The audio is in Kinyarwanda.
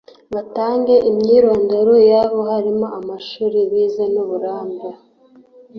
batange imyirondoro yabo harimo amashuri bize n' uburambe